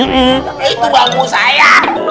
itu bambu saya